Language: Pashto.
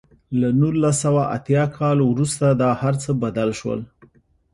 له نولس سوه اتیا کال وروسته دا هر څه بدل شول.